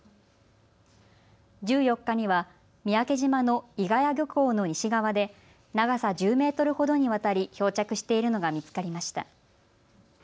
１４日には三宅島の伊ヶ谷漁港の西側で長さ１０メートルほどにわたり漂着しているのが見つかりました。